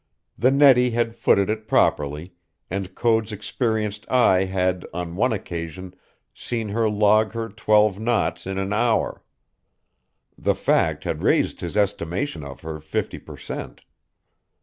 The Nettie had footed it properly, and Code's experienced eye had, on one occasion, seen her log her twelve knots in an hour. The fact had raised his estimation of her fifty per cent.